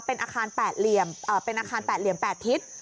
เป็นอาคารแปดเหลี่ยมเป็นอาคารแปดเหลี่ยมแปดทิศ